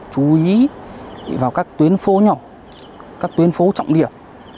chú ý vào các tuyến phố nhỏ các tuyến phố trọng điểm